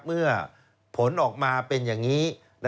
เมื่อผลออกมาเป็นอย่างนี้